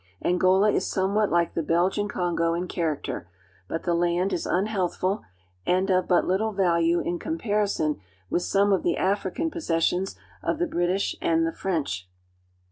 Angola is somewhat like the Kongo State in character; but the land is unhealthful and of but little value in comparison with some of the African possessions of the British and the French.